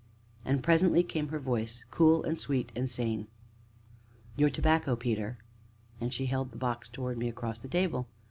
And presently came her voice, cool and sweet and sane: "Your tobacco, Peter," and she held the box towards me across the table.